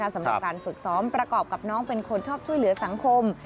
สำหรับการฝึกซ้อมประกอบกับน้องเป็นคนชอบช่วยเหลือสังคม